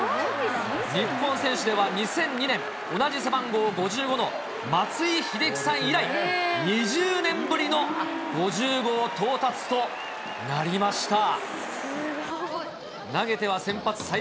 日本選手では２００２年、同じ背番号５５の、松井秀喜さん以来、２０年ぶりの５０号到達となりました。